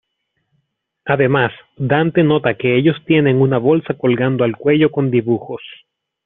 Además Dante nota que ellos tienen una bolsa colgando al cuello con dibujos.